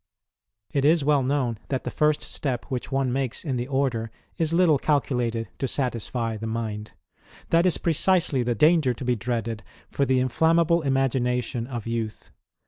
It is well known that the first step which one makes in the order is little calculated to satisfy the mind. That is precisely the danger to be dreaded for the inflammable imagination of youth.